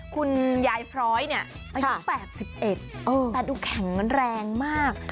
คุณยายพร้อยเนี่ยอายุ๘๑แต่ดูแข็งแรงมาก